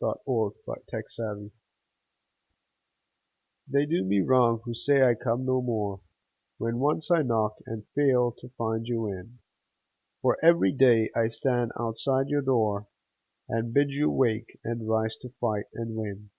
OPPORTUNITY They do me wrong who say I come no more When once I knock and fail to find you in ; For every day I stand outside your door, And bid you wake, and rise to fight and win.